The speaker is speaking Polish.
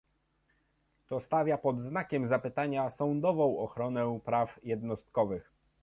To stawia pod znakiem zapytania sądową ochronę praw jednostkowych